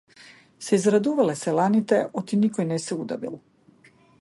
Се израдувале селаните оти никој не се удавил.